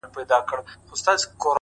هره شېبه د بدلون تخم لري،